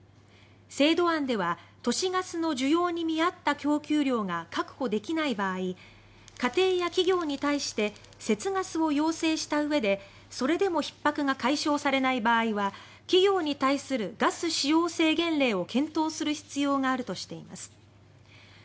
制度案では、都市ガスの需要に見合った供給量が確保できない場合家庭や企業に対して節ガスを要請したうえでそれでもひっ迫が解消されない場合は企業に対するガス使用制限令を検討する必要があるとしています。